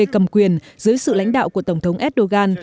cầm quyền dưới sự lãnh đạo của tổng thống erdogan